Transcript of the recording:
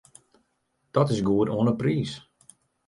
Dat is goed oan 'e priis.